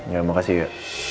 ya makasih ya